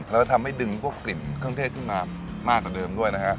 แล้วก็ทำให้ดึงพวกกลิ่นเครื่องเทศขึ้นมามากกว่าเดิมด้วยนะฮะ